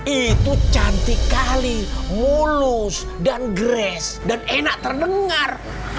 itu cantik kali mulus dan grace dan enak terdengar